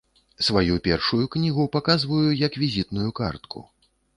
Сваю першую кнігу паказваю як візітную картку.